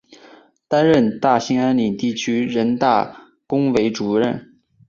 担任大兴安岭地区人大工委主任。